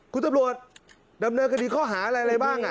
คุณตำรวจดำเนินคดีข้อหาอะไรบ้าง